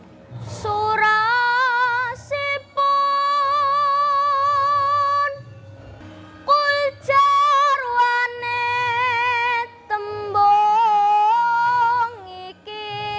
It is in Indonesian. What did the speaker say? inau surasipun kuljarwane tembong iki